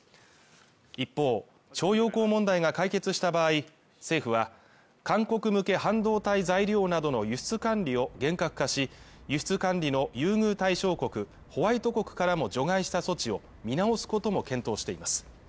一方、徴用工問題が解決した場合、政府は、韓国向け半導体材料などの輸出管理を厳格化し輸出管理の優遇対象国ホワイト国からも除外した措置を見直すことも検討しています。